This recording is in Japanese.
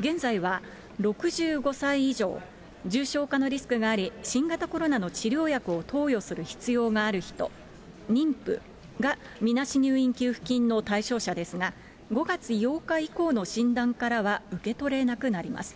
現在は６５歳以上、重症化のリスクがあり、新型コロナの治療薬を投与する必要がある人、妊婦がみなし入院給付金の対象者ですが、５月８日以降の診断からは受け取れなくなります。